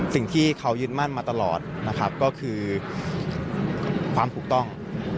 สิ่งที่เขายึดมั่นมาตลอดนะครับก็คือความถูกต้อง